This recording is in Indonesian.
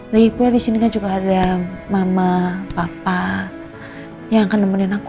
lagipula disini kan juga ada mama papa yang akan nemenin aku